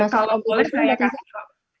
kalau boleh saya jawab